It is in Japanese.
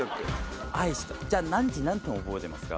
じゃあ何時何分覚えてますか？